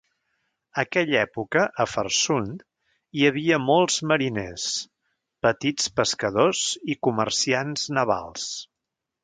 Aquella època a Farsund hi havia molts mariners, petits pescadors i comerciants navals.